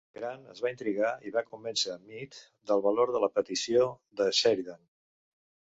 Grant es va intrigar i va convèncer Meade del valor de la petició de Sheridan.